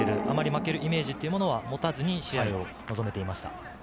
あまり負けるイメージというものは持たずに、試合を臨めていました。